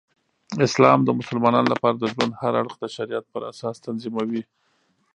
اسلام د مسلمانانو لپاره د ژوند هر اړخ د شریعت پراساس تنظیموي.